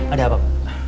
ada apa pak